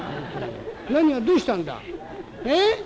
何がどうしたんだ？ええ？」。